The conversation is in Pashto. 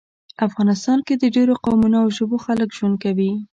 افغانستان کې د ډیرو قومونو او ژبو خلک ژوند کوي